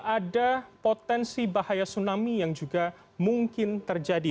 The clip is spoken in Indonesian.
ada potensi bahaya tsunami yang juga mungkin terjadi